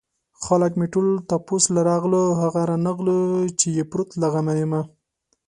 خلک مې ټول تپوس له راغله هغه رانغلو چې يې پروت له غمه يمه